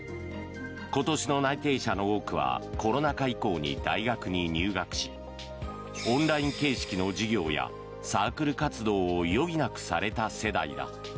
今年の内定者の多くはコロナ禍以降に大学に入学しオンライン形式の授業やサークル活動を余儀なくされた世代だ。